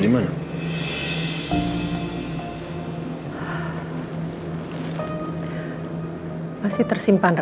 dia ingin keluar